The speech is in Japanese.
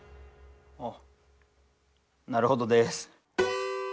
あなるほどです。